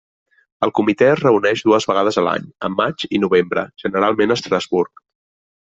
El Comitè es reuneix dues vegades a l'any, en maig i novembre, generalment a Estrasburg.